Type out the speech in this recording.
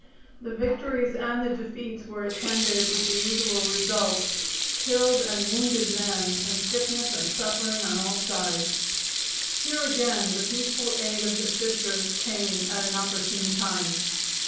The victories and the defeats were attended with the usual result, killed and wounded men and sickness and suffering on all sides. Here again the peaceful aid of the Sisters came at an opportune time.